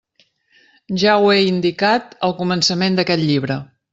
Ja ho he indicat al començament d'aquest llibre.